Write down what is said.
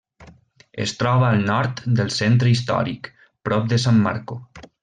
Es troba al nord del centre històric, prop de San Marco.